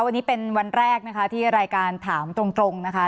วันนี้เป็นวันแรกนะคะที่รายการถามตรงนะคะ